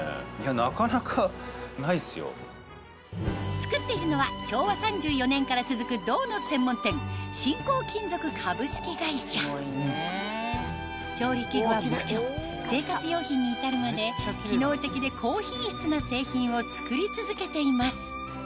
作っているのは昭和３４年から続く銅の専門店調理器具はもちろん生活用品に至るまで機能的で高品質な製品を作り続けています